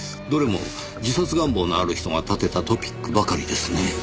どれも自殺願望のある人が立てたトピックばかりですね。